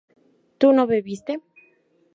tú no bebiste